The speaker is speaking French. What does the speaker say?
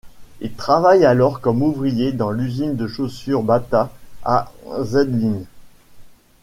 Il travaille alors comme ouvrier dans l'usine de chaussures Bata à Zlín.